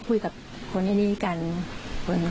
พูดว่ารานเดี๋ยวก็คุยกับคนในนี้กัน